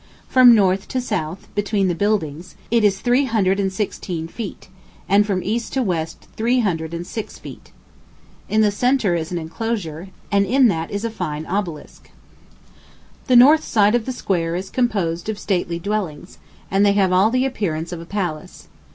From north to south, between the buildings, if is three hundred and sixteen feet, and from east to west three hundred and six feet. In the centre is an enclosure, and in that is a fine obelisk. The north side of the square is composed of stately dwellings, and they have all the appearance of a palace.